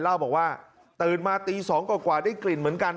เล่าบอกว่าตื่นมาตี๒กว่าได้กลิ่นเหมือนกัน